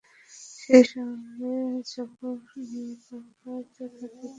সেই সঙ্গে যবনিকাপাত ঘটে দীর্ঘ অর্ধশতক ক্ষমতা আঁকড়ে থাকা সামরিক শাসনের।